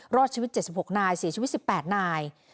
รอดชีวิต๗๖นายเสียชีวิต๑๘นาย